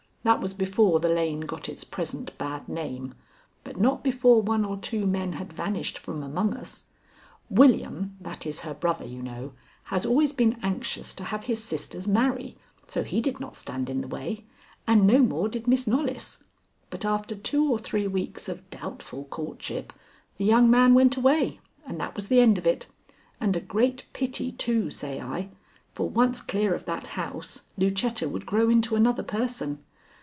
That was before the lane got its present bad name, but not before one or two men had vanished from among us. William that is her brother, you know has always been anxious to have his sisters marry, so he did not stand in the way, and no more did Miss Knollys, but after two or three weeks of doubtful courtship, the young man went away, and that was the end of it. And a great pity, too, say I, for once clear of that house, Lucetta would grow into another person.